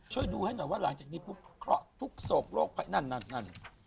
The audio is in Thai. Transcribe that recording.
ช่วยดูให้หน่อยว่าหลังจากนี้ทุกศพโลกภัยนั่น